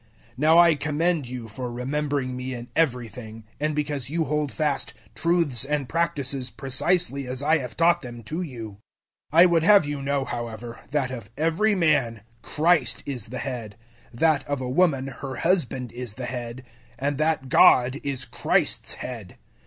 011:002 Now I commend you for remembering me in everything, and because you hold fast truths and practices precisely as I have taught them to you. 011:003 I would have you know, however, that of every man, Christ is the Head, that of a woman her husband is the Head, and that God is Christ's Head.